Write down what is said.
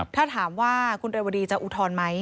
ถ้าถามว่าคุณเรวดีจะอุทธรณ์ไหม